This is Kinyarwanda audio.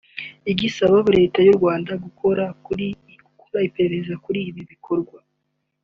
igasaba leta y’u Rwanda gukora iperereza kuri ibi bikorwa